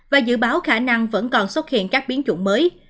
và dự báo khả năng vẫn còn xuất hiện các biến chủng mới